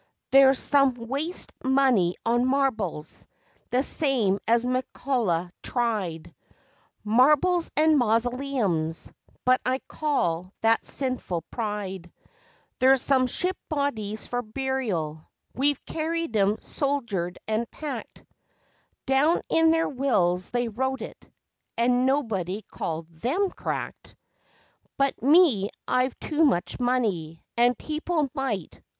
There's some waste money on marbles, the same as McCullough tried Marbles and mausoleums but I call that sinful pride. There's some ship bodies for burial we've carried 'em, soldered and packed; Down in their wills they wrote it, and nobody called them cracked. But me I've too much money, and people might....